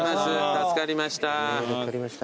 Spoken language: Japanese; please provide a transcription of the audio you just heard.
助かりました。